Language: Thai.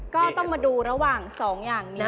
ก็ต้องมาดูระหว่าง๒อย่างนี้